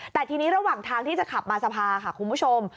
แต่ทีนี้ระหว่างทางที่จะขับมาสภาค่ะคุณผู้ชม